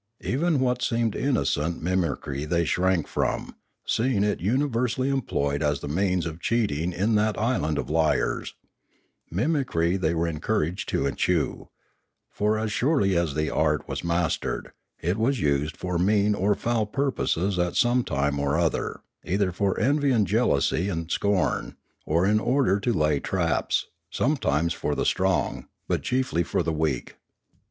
Even what seemed innocent mim icry they shrank from, seeing it universally employed as the means of cheating in that island of liars ; mimicry they were encouraged to eschew; for as surely as the art was mastered, it was used for mean or foul purposes at some time or other, either for envy and jealousy and scorn, or in order to lay traps, sometimes for the strong, but chiefly for the weak.